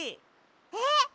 えっ！？